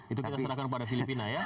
itu kita serahkan pada filipina ya